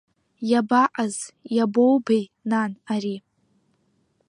Иабаҟаз, иабоубеи, нан, ари?